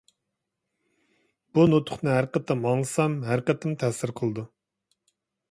بۇ نۇتۇقنى ھەر قېتىم ئاڭلىسام ھەر قېتىم تەسىر قىلىدۇ.